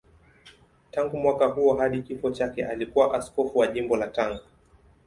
Tangu mwaka huo hadi kifo chake alikuwa askofu wa Jimbo la Tanga.